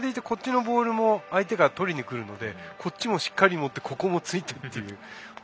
こっちのボールも相手が取りに来るのでこっちもしっかり持ってここも、ついてという。